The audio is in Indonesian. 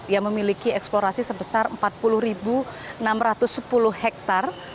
yang memiliki eksplorasi sebesar empat puluh enam ratus sepuluh hektare